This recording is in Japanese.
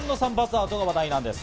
アートが話題なんです。